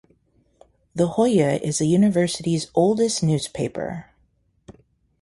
"The Hoya" is the university's oldest newspaper.